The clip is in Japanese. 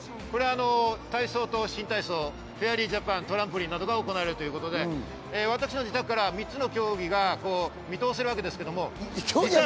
体操と新体操、フェアリージャパン、トランポリンなどが行われるということで、私の自宅から３つの競技が見通せるわけですけど。